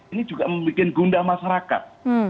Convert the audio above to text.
ini juga membuat gundah masyarakat